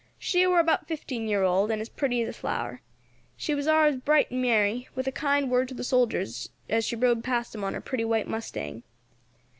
She war about fifteen year old, and as pretty as a flower. She war always bright and merry, with a kind word to the soldiers as she rode past them on her pretty white mustang.